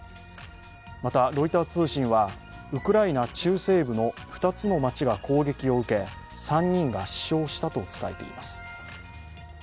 また、ロイター通信はウクライナ中西部の２つの街が攻撃を受け、３人が死傷したと伝えています。